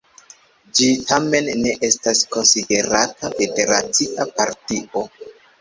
Ĝi tamen ne estas konsiderata federacia partio.